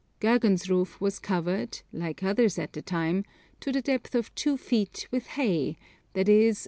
Gergan's roof was covered, like others at the time, to the depth of two feet, with hay, i.e.